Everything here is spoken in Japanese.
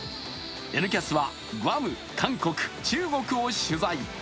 「Ｎキャス」はグアム、韓国中国を取材。